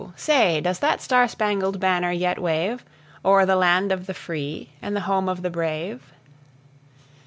say, does that star spangled banner yet wave O'er the land of the free, and the home of the brave?